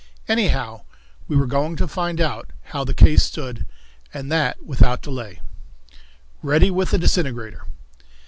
Anyhow, we were going to find out how the case stood, and that without delay. Ready with the Disintegrator.